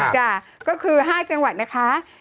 จ้ะก็คือ๕จังหวัดนะคะ